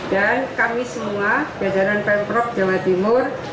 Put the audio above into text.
dan kami semua jajaran pemprov jawa timur